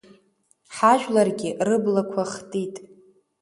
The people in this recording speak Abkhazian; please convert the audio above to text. Ҳажәларгьы рыблақәа хтит.